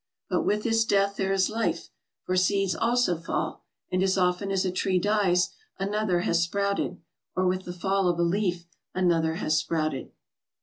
But with this death there is life, for seeds also fall, and as often as a tree dies, another has sprouted, or with the fall of a leaf another has sprouted.